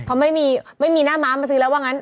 เพราะไม่มีไม่มีหน้าม้ามาซื้อแล้วว่างั้น